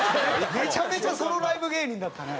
めちゃめちゃソロライブ芸人だったね。